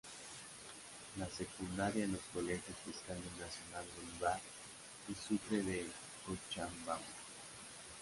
La secundaria en los colegios fiscales Nacional Bolívar y Sucre de Cochabamba.